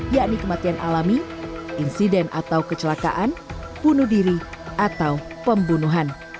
yakni kematian alami insiden atau kecelakaan bunuh diri atau pembunuhan